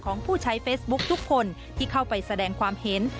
ผู้ใช้เฟซบุ๊คทุกคนที่เข้าไปแสดงความเห็น